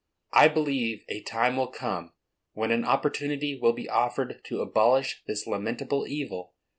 I believe a time will come when an opportunity will be offered to abolish this lamentable evil.